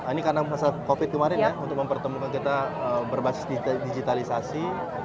ini karena masa covid kemarin ya untuk mempertemukan kita berbasis digitalisasi